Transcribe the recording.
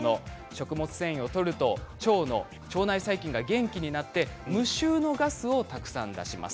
食物繊維をとると腸内細菌が元気になって無臭のガスをたくさん出します。